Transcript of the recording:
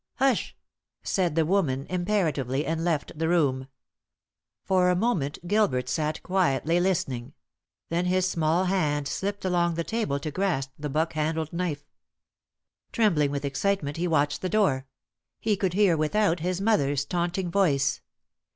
"Hush!" said the woman, imperatively, and left the room. For a moment Gilbert sat quietly listening; then his small hand slipped along the table to grasp the buck handled knife. Trembling with excitement, he watched the door; he could hear without his mother's taunting voice.